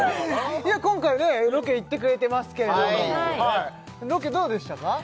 今回ねロケ行ってくれてますけれどもロケどうでしたか？